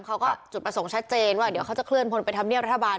เขาก็จุดประสงค์ชัดเจนว่าเดี๋ยวเขาจะเคลื่อนพลไปทำเนียบรัฐบาล